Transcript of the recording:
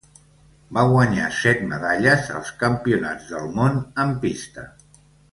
Va guanyar set medalles als Campionats del Món en pista.